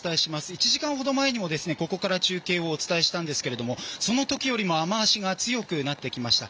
１時間ほど前にもここから中継をお伝えしましたがその時よりも雨脚が強くなってきました。